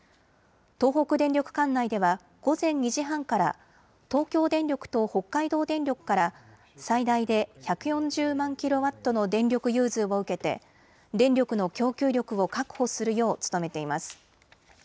東北電力管内では午前２時半から東京電力と北海道電力から最大で１４０万ｋＷの電力融通を受けて電力の供給力を確保するよう努めています。